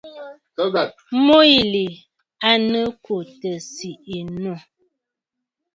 Mu yìli à nɨ kù tɨ̀ sìʼì nû.